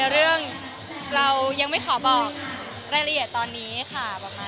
เรื่องเรายังไม่ขอบอกรายละเอียดตอนนี้ค่ะ